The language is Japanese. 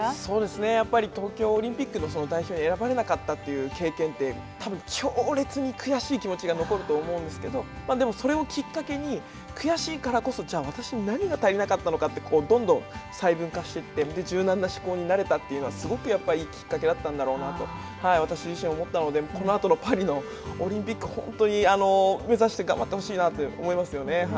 やっぱり東京オリンピックの代表に選ばれなかった経験ってたぶん強烈に悔しい気持ちが残ると思うんですけどでも、それをきっかけに、悔しいからこそじゃあ私に何が足りなかったのか、細分化していって、柔軟な思考になれたというのはすごくいい結果だったんだろうなと私自身思ったので、このあとのパリのオリンピック、本当に目指して頑張ってほしいなと思います